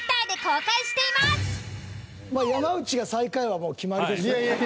山内が最下位はもう決まりですよ。